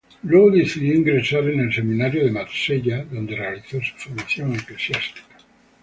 Luego decidió ingresar en el Seminario de Marsella, donde realizó su formación eclesiástica.